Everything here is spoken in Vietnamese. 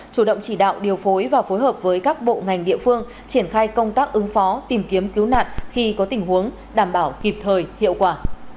chủ động chỉ đạo điều phối và phối hợp với các bộ ngành địa phương triển khai công tác ứng phó tìm kiếm cứu nạn khi có tình huống đảm bảo kịp thời hiệu quả